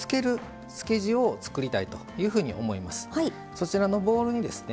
そちらのボウルにですね